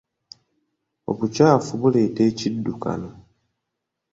Obukyafu buleeta ekiddukano.